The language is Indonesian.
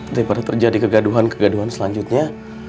daripada terjadi kegaduhan kegaduhan selanjutnya